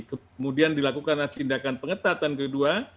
kemudian dilakukanlah tindakan pengetatan kedua